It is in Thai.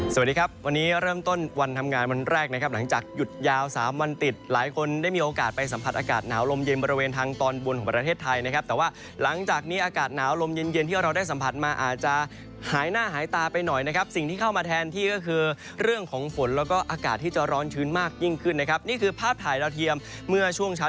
สวัสดีครับวันนี้เริ่มต้นวันทำงานวันแรกนะครับหลังจากหยุดยาว๓วันติดหลายคนได้มีโอกาสไปสัมผัสอากาศหนาวลมเย็นบริเวณทางตอนบนของประเทศไทยนะครับแต่ว่าหลังจากนี้อากาศหนาวลมเย็นที่เราได้สัมผัสมาอาจจะหายหน้าหายตาไปหน่อยนะครับสิ่งที่เข้ามาแทนที่ก็คือเรื่องของฝนแล้วก็อากาศที่จะร้อนชื